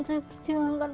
sempat gak sadarkan diri aja